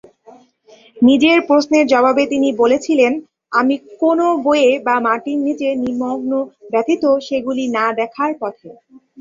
নিজের প্রশ্নের জবাবে তিনি বলেছিলেন, "আমি কোনও বইয়ে বা মাটির নিচে নিমগ্ন ব্যতীত সেগুলি না দেখার পথে।"